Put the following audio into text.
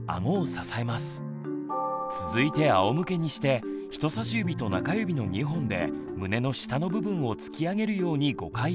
続いてあおむけにして人さし指と中指の２本で胸の下の部分を突き上げるように５回圧迫。